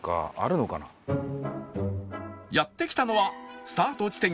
やって来たのはスタート地点から３７